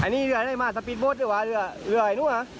เจอเบอร์ไม่รู้สูญ